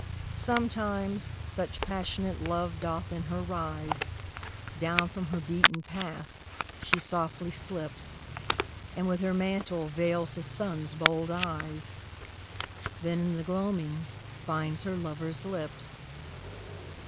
Sometimes such passionate love doth in her rise, Down from her beaten path she softly slips, And with her mantle veils the Sun's bold eyes, Then in the gloaming finds her lover's lips.